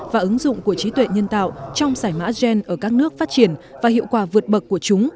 và ứng dụng của trí tuệ nhân tạo trong giải mã gen ở các nước phát triển và hiệu quả vượt bậc của chúng